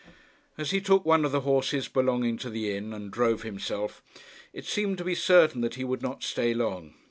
As he took one of the horses belonging to the inn and drove himself, it seemed to be certain that he would not stay long.